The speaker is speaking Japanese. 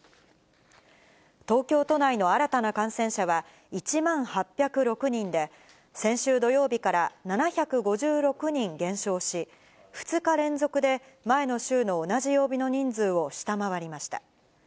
東京都内の新たな感染者は１万８０６人で、先週土曜日から７５６人減少し、２日連続で前の週の同じ曜日の人数を下回りました。